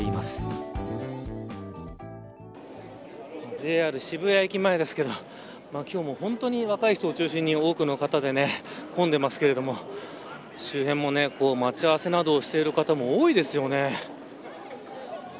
ＪＲ渋谷駅前ですけど今日も本当に若い人を中心に多くの方で混んでますけども周辺も待ち合わせなどをしている方も多いですよね。